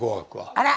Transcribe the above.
あら！